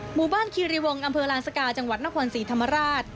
หมู่บ้านคีรีวงค์อำเภอลานสกาจังหวัดนครสีธรรมราช